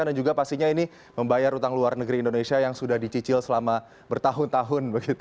juga pastinya ini membayar utang luar negeri indonesia yang sudah dicicil selama bertahun tahun